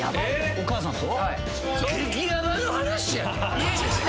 お母さんと？